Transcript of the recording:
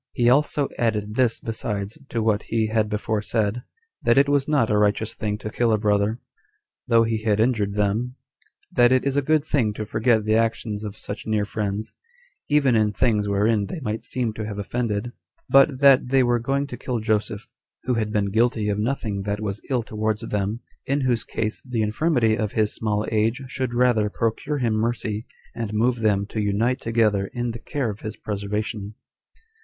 He also added this besides to what he had before said, that it was not a righteous thing to kill a brother, though he had injured them; that it is a good thing to forget the actions of such near friends, even in things wherein they might seem to have offended; but that they were going to kill Joseph, who had been guilty of nothing that was ill towards them, in whose case the infirmity of his small age should rather procure him mercy, and move them to unite together in the care of his preservation.